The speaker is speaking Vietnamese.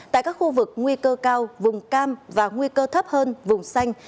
tại các khu vực nguy cơ cao vùng cam và nguy cơ thấp hơn vùng xanh